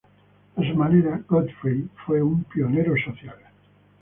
A su manera, Godfrey fue un pionero social.